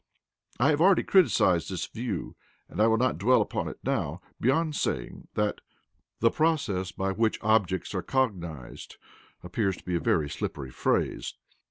I have already criticized this view, and will not dwell upon it now, beyond saying that "the process by which objects are cognized" appears to be a very slippery phrase.